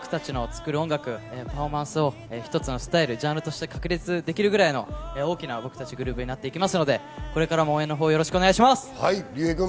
これから僕たちの作る音楽、パフォーマンスを一つのスタイル、ジャンルとして確立できるくらいの大きなグループになっていきますのでこれからも応援をお願いします。